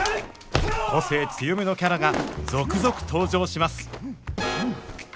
個性強めのキャラが続々登場します